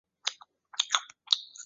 曾获中国国家科技进步一等奖。